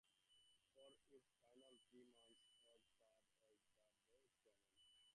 For its final three months Wolfe served as the Board's chairman.